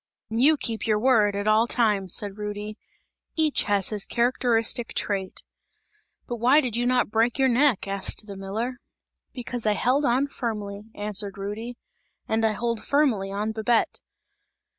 "And you keep your word, at all times," said Rudy, "each has his characteristic trait!" "But why did you not break your neck?" asked the miller. "Because I held on firmly," answered Rudy, "and I hold firmly on Babette!"